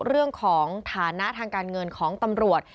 เรื่องของฐานะทางการเงินของตำรวจ